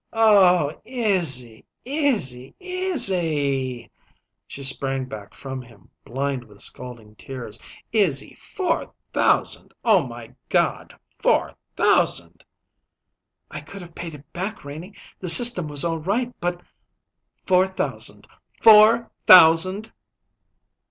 "Oh h h, Izzy Izzy Izzy!" She sprang back from him, blind with scalding tears. "Izzy! Four thousand! Oh, my God! Four thousand!" "I could have paid it back, Renie; the system was all right, but " "Four thousand! Four thousand!"